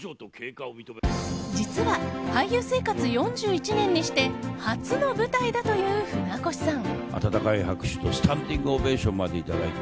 実は俳優生活４１年にして初の舞台だという船越さん。